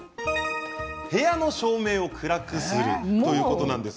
部屋の照明を暗くするということなんです。